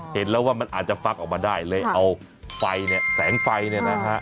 เห็นแล้วว่ามันอาจจะฟักออกมาได้เลยเอาไฟเนี่ยแสงไฟเนี่ยนะฮะ